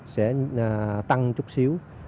sẽ tăng chút xíu